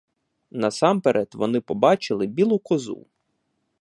Насамперед вони побачили білу козу.